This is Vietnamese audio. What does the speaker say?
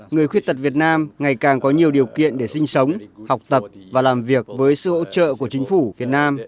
người khuyết tật việt nam ngày càng có nhiều điều kiện để sinh sống học tập và làm việc với sự hỗ trợ của chính phủ việt nam